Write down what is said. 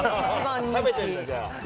食べてんだ、じゃあ。